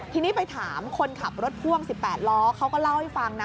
ทีนี้ไปถามคนขับรถพ่วง๑๘ล้อเขาก็เล่าให้ฟังนะ